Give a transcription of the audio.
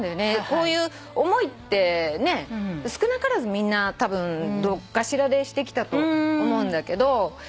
こういう思いって少なからずみんなたぶんどっかしらでしてきたと思うんだけど。